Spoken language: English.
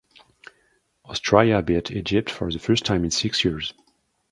Australia beat Egypt for the first time in six years.